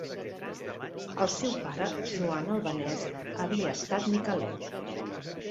El seu pare, Joan Albanès, havia estat miquelet.